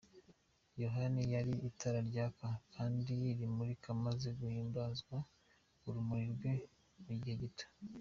Yohani yari itara ryaka kandi rimurika, maze muhimbazwa n’urumuri rwe mu gihe gito.